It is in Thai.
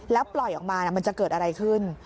แล้วปล่อยออกมามันจะเกิดอะไรขึ้น